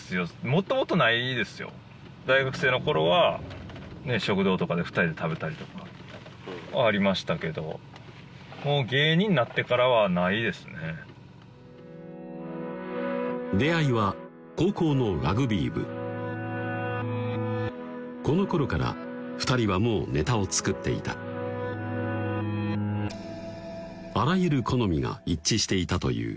もともとないですよ大学生の頃は食堂とかで２人で食べたりとかありましたけどもう芸人になってからはないですね出会いは高校のラグビー部このころから２人はもうネタをつくっていたあらゆる好みが一致していたという